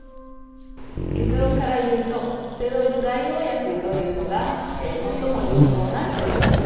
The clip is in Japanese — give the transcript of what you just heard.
結論から言うとステロイド外用薬というのが最も有効な治療薬です。